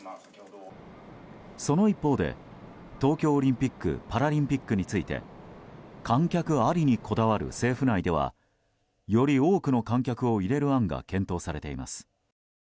その一方で、東京オリンピック・パラリンピックについて観客ありにこだわる政府内ではより多くの観客を入れる案が検討されています。